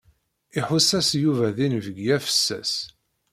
Iḥuss-as Yuba d inebgi afessas.